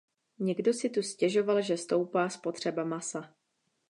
Někdo si tu stěžoval, že stoupá spotřeba masa.